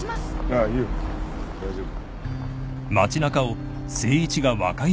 あっいいよ大丈夫。